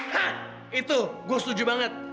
hah itu gue setuju banget